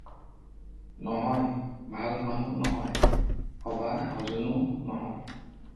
নহয়, ভাল মানুহ নহয়, সভাসদজনো নহয়।